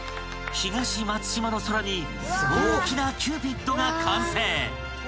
［東松島の空に大きなキューピッドが完成］